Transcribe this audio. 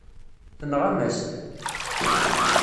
Tenɣam-as-t.